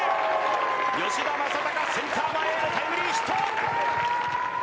吉田正尚、センター前へのタイムリーヒット！